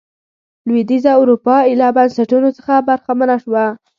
لوېدیځه اروپا ایله بنسټونو څخه برخمنه شوه.